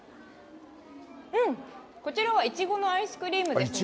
こちらはイチゴのアイスクリームですね。